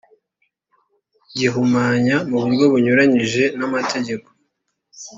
gihumanya mu buryo bunyuranyije n’amategeko